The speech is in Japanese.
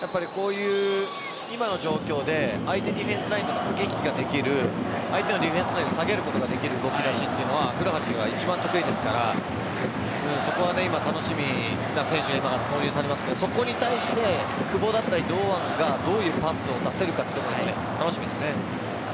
今の状況で相手ディフェンスラインとの駆け引きができる相手のディフェンスラインを下げることができる動き出しというのは古橋が一番得意ですからそこは今楽しみな選手が投入されますがそこに対して久保だったり堂安がどういうパスを出せるかというところも楽しみです。